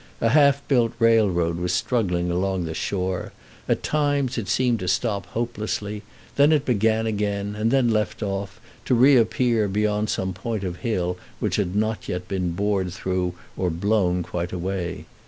A half built railroad was struggling along the shore; at times it seemed to stop hopelessly; then it began again, and then left off, to reappear beyond some point of hill which had not yet been bored through or blown quite away.